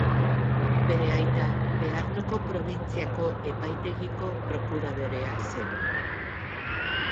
Bere aita Bearnoko probintziako epaitegiko prokuradorea zen.